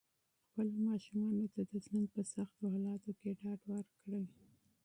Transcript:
خپلو ماشومانو ته د ژوند په سختو حالاتو کې ډاډ ورکړئ.